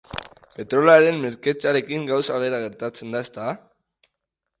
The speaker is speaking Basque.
Petrolioaren merkatzearekin gauza bera gertatzen da, ezta?